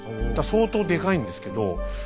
相当でかいんですけど。